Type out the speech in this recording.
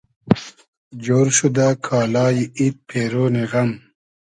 جۉر شودۂ کالای اید پېرۉنی غئم